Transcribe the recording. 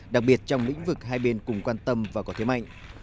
đặc biệt trong lĩnh vực hai bên cùng quan tâm và có thế mạnh